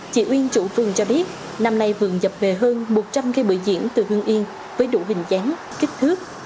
chị uyên chủ vườn cho biết năm nay vườn nhập về hơn một trăm linh cây bưởi diễn từ hương yên với đủ hình dáng kích thước